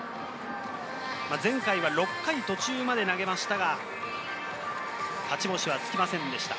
前回は６回途中まで投げましたが、勝ち星はつきませんでした。